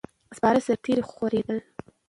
سپاره سرتیري خورېدل.